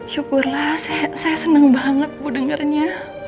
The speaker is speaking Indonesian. syukurlah saya senang banget bu dengarnya